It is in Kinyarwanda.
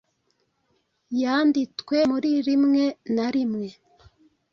yanditwe muri rimwe na rimwe